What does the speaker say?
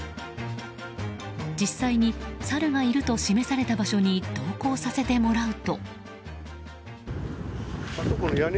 実際にサルがいると示された場所に同行させてもらうと。